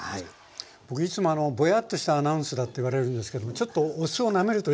僕いつもボヤッとしたアナウンスだって言われるんですけどもちょっとお酢をなめるといいかもしれませんね。